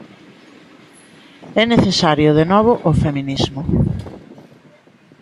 É necesario, de novo, o feminismo.